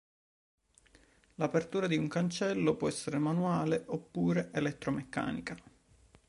L'apertura di un cancello può essere manuale oppure elettromeccanica.